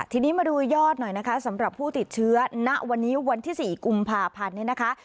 ทีนี้มาดูยอดหน่อยนะคะสำหรับผู้ติดเชื้อณวันนี้วันที่๔กุมภาพันธ์เนี่ยนะคะ